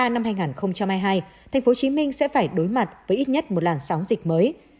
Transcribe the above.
năm hai nghìn hai mươi hai tp hcm sẽ phải đối mặt với ít nhất một làn sóng dịch mới